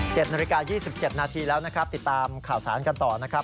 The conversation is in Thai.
เจ็ดนาฬิกา๒๗นาทีแล้วนะครับติดตามข่าวสารกันต่อนะครับ